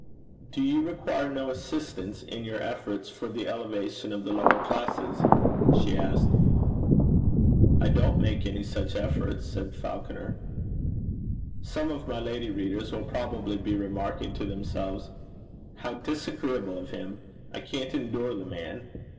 'Do you require no assistance in your efforts for the elevation of the lower classes?' she asked. 'I don't make any such efforts,' said Falconer. Some of my lady readers will probably be remarking to themselves, 'How disagreeable of him! I can't endure the man.'